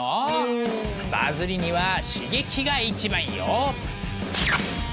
バズりには刺激が一番よ。